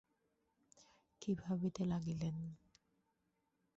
কী ভাবিতে লাগিলেন।